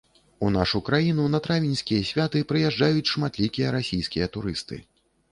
У нашу краіну на травеньскія святы прыязджаюць шматлікія расійскія турысты.